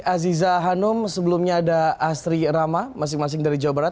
aziza hanum sebelumnya ada asri rama masing masing dari jawa barat